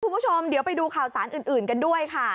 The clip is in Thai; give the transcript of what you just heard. คุณผู้ชมเดี๋ยวไปดูข่าวสารอื่นกันด้วยค่ะ